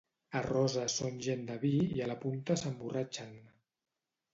A Roses són gent de vi i a la punta s'emborratxen.